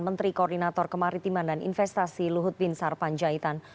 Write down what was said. menteri koordinator kemaritiman dan investasi luhut bin sar panjaitan